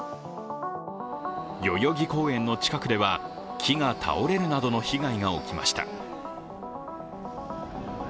代々木公園の近くでは木が倒れるなどの被害が起きました。